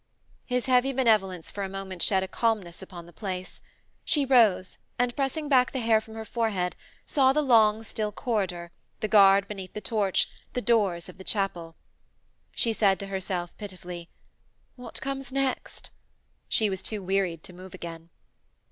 His heavy benevolence for a moment shed a calmness upon the place. She rose, and pressing back the hair from her forehead, saw the long, still corridor, the guard beneath the torch, the doors of the chapel. She said to herself pitifully: 'What comes next?' She was too wearied to move again.